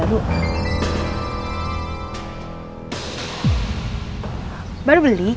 aduh ya mabuk